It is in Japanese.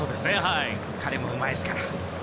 彼もうまいですから。